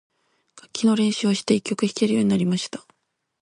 楽器の練習をして、一曲弾けるようになりました。